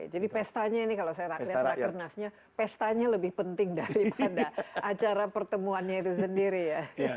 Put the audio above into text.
jadi pestanya ini kalau saya lihat rakernas nya pestanya lebih penting daripada acara pertemuannya itu sendiri ya